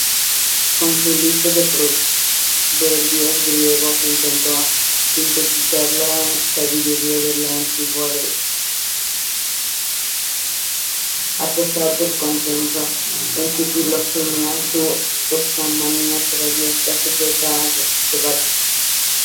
A pesar del consenso en su filogenia, su taxonomía todavía está sujeta a debate.